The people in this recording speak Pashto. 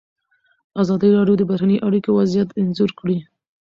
ازادي راډیو د بهرنۍ اړیکې وضعیت انځور کړی.